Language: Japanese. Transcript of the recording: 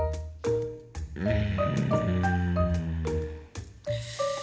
うん。